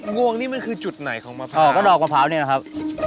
งวงนี่มันคือจุดไหนของมะพร้าวก็ดอกมะพร้าวนี่แหละครับ